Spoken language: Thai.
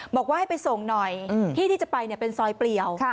บอกว่าให้ไปส่งหน่อยที่ที่จะไปเป็นซอยเปลี่ยว